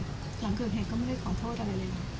หลังเกิดเหตุก็ไม่ได้ขอโทษอะไรเลยค่ะ